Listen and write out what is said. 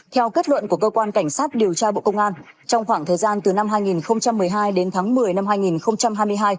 theo kết luận của cơ quan cảnh sát điều tra bộ công an trong khoảng thời gian từ năm hai nghìn một mươi hai đến tháng một mươi năm hai nghìn hai mươi hai